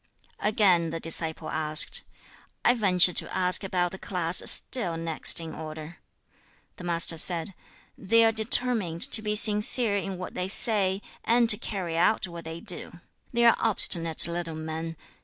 3. Again the disciple asked, 'I venture to ask about the class still next in order.' The Master said, 'They are determined to be sincere in what they say, and to carry out what they do. They are obstinate little men.